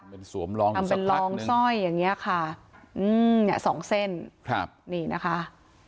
เป็นสวมลองลองซ่อยอย่างเงี้ยค่ะอืมสองเส้นครับนี่นะคะ